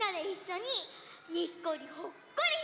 「にっこりほっこり」か。